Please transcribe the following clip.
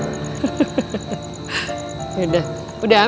ya udah udah udah selesai